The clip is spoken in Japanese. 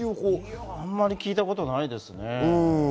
あまり聞いたことないですよね。